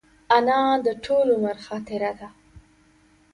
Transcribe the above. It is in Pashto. انا د ټول عمر خاطره ده